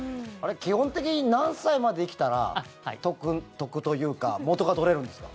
基本的に何歳まで生きたら得というか元が取れるんですか？